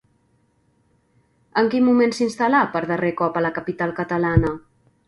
En quin moment s'instal·là per darrer cop a la capital catalana?